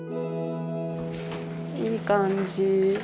いい感じ。